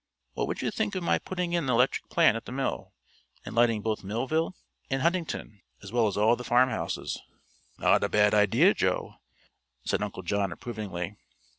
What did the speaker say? What would you think of my putting in an electric plant at the mill, and lighting both Millville and Huntingdon, as well as all the farmhouses?" "Not a bad idea, Joe," said Uncle John approvingly.